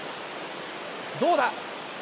どうだ？